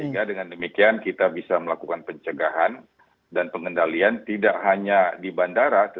hingga dengan demikian kita bisa melakukan pencegahan dan pengendalian tidak hanya di bandara tetap di bandara